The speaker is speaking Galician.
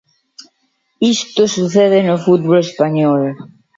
Isto sucede no fútbol español.